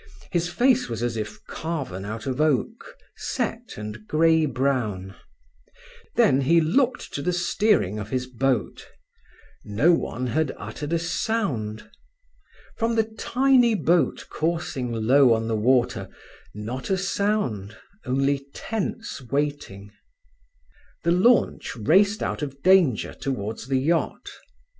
His face was as if carven out of oak, set and grey brown. Then he looked to the steering of his boat. No one had uttered a sound. From the tiny boat coursing low on the water, not a sound, only tense waiting. The launch raced out of danger towards the yacht.